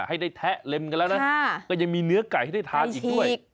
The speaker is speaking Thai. ให้ได้แทะเล็มกันแล้วนะก็ยังมีเนื้อไก่ให้ได้ทานอีกด้วย